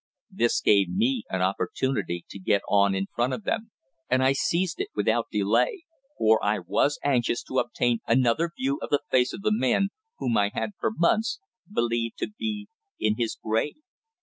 This gave me an opportunity to get on in front of them, and I seized it without delay; for I was anxious to obtain another view of the face of the man whom I had for months believed to be in his grave.